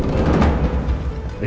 begitu tau soal ini